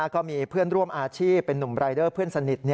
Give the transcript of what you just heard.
ก็มีเพื่อนร่วมอาชีพเป็นนุ่มรายเดอร์เพื่อนสนิท